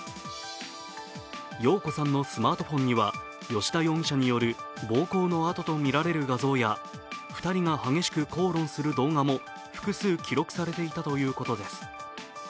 容子さんのスマートフォンには、吉田容疑者による暴行の痕と見られる動画や２人が激しく口論する動画も複数、記録されていたということです。